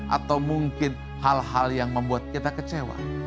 atau mungkin hal hal yang membuat kita kecewa